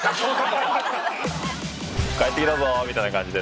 「帰ってきたぞ！」みたいな感じで。